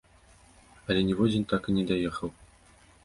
Але ніводзін так і не даехаў.